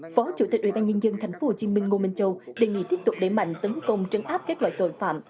phó chủ tịch ubnd tp hcm ngô minh châu đề nghị tiếp tục đẩy mạnh tấn công trấn áp các loại tội phạm